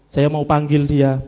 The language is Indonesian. saya mau panggil dia